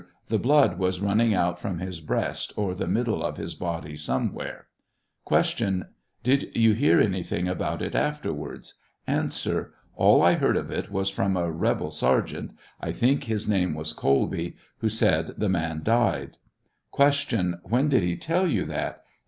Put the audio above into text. The blood was running oat from his breast, or the middle of his body, somewhere. Q. Did you hear anything about it afterwards ? A. All I heard of it was from a rebel sergeant — I "think his name was Colby — he said the man died. Q. When did he tell you that?